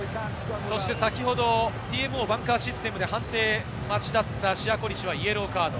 ＴＭＯバンカーシステムで判定待ちだったシヤ・コリシはイエローカード。